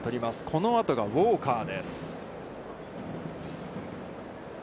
このあとがウォーカーです。